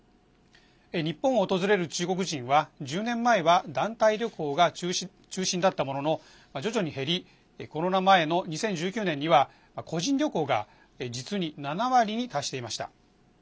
日本を訪れる中国人は１０年前は団体旅行が中心だったものの徐々に減りコロナ前の２０１９年には個人旅行が実に７割に達していました。